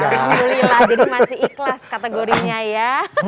jadi masih ikhlas kategorinya ya